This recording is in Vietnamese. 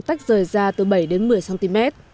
tách rời ra từ bảy đến một mươi cm